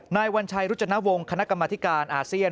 วัญชัยรุจนวงศ์คณะกรรมธิการอาเซียน